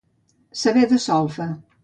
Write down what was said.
Saber de solfa.